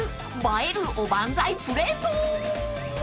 映えるおばんざいプレート］